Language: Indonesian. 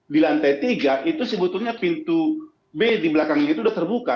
di lantai tiga itu sebetulnya pintu b di belakangnya itu sudah terbuka